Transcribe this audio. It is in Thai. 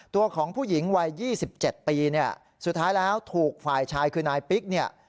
ตัวของผู้หญิงวัย๒๗ปีเนี่ยสุดท้ายแล้วถูกฝ่ายชายคือนายปิ๊กเนี่ย